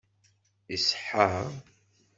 Iṣeḥḥa?